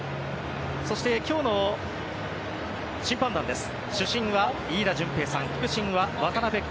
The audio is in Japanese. そして今日の審判団です。